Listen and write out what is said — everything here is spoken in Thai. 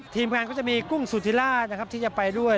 ทีมการก็จะมีกุ้งสูตรธิราชที่จะไปด้วย